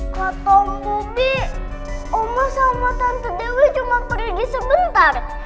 kata om pobi omah sama tante dewi cuma pergi sebentar